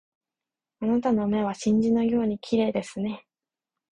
あなたの目は真珠のように綺麗ですね